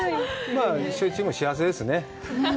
焼酎も幸せですね。